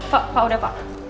pak pak udah pak